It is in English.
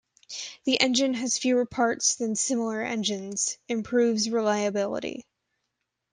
The engine has fewer parts than similar engines, improves reliability.